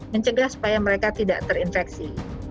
mencegah supaya mereka tidak terinfeksi